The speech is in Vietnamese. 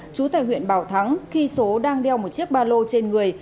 chú tại huyện bảo thắng khi số đang đeo một chiếc ba lô trên người